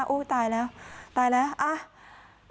อู้วตายแล้วตายแล้ว